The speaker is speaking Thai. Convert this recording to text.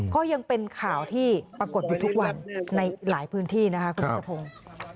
ก็ยังเป็นข่าวที่ปรากฏอยู่ทุกวันในหลายพื้นที่นะคะคุณนัทพงศ์